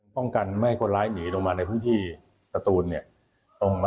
ป้องกันไม่ให้คนร้ายหนีลงมาในพื้นที่สตูนเนี่ย